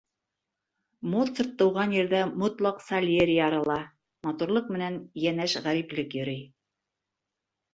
Моцарт тыуған ерҙә мотлаҡ Сальери ярала, Матурлыҡ менән йәнәш Ғәриплек йөрөй.